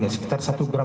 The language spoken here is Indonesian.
sekitar satu gram